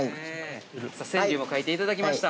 ◆川柳を書いていただきました。